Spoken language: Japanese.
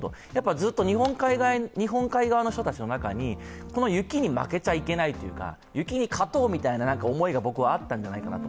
ずっと日本海側の人たちの中に、この雪に負けちゃいけないというか雪に勝とうみたいな思いが僕はあったんじゃないかなと。